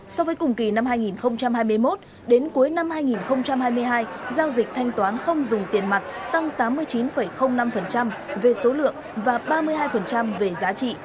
so với cùng kỳ năm hai nghìn hai mươi một đến cuối năm hai nghìn hai mươi hai giao dịch thanh toán không dùng tiền mặt tăng tám mươi chín năm về số lượng và ba mươi hai về giá trị